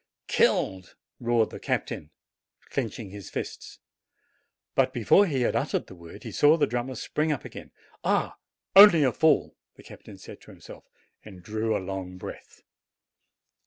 "Killed!" roared the captain, clenching his fists. But before he had uttered the word he saw the drummer spring up again. "Ah, only a fall," the captain said to himself, and drew a long breath.